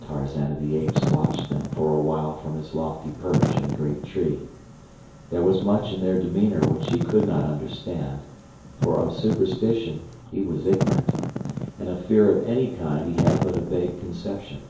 Tarzan of the Apes watched them for a while from his lofty perch in the great tree. There was much in their demeanor which he could not understand, for of superstition he was ignorant, and of fear of any kind he had but a vague conception.